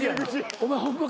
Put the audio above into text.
お前ホンマ